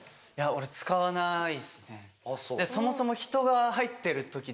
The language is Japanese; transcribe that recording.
そもそも。